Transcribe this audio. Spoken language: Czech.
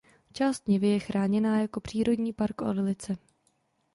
Část nivy je chráněná jako přírodní park Orlice.